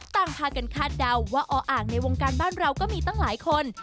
ต่างพากันคาดเดาว่าออ่างในวงการบ้านเราก็มีตั้งหลายคน